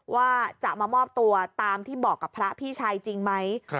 ว่าจะมามอบตัวตามที่บอกกับพระพี่ชายจริงไหม